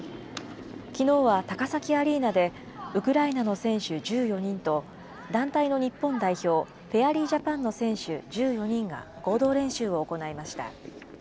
きのうは高崎アリーナでウクライナの選手１４人と、団体の日本代表、フェアリージャパンの選手１４人が合同練習を行いました。